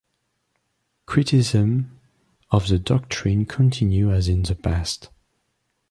Criticisms of the doctrine continue as in the past.